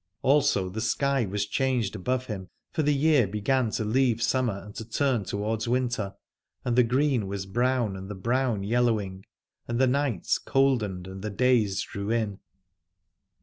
Also the sky was changed above him, for the year began to leave summer and to turn to wards winter, and the green was brown and the brown yellowing, and the nights coldened and the days drew in.